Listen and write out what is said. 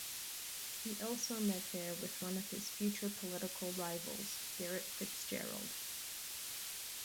He also met there with one of his future political rivals, Garret FitzGerald.